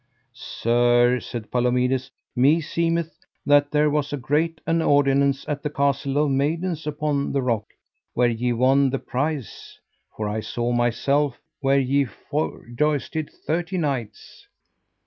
Sir, said Palomides, meseemeth that there was as great an ordinance at the Castle of Maidens upon the rock, where ye won the prize, for I saw myself where ye forjousted thirty knights.